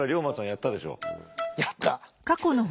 やった。